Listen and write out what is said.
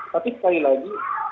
tapi sekali lagi